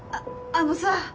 あのさ